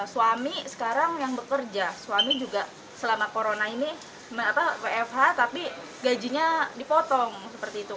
suami sekarang yang bekerja suami juga selama corona ini wfh tapi gajinya dipotong seperti itu